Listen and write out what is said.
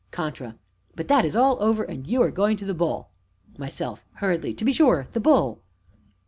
CONTRA. But that is all over, and you are going to "The Bull." MYSELF (hurriedly). To be sure "The Bull."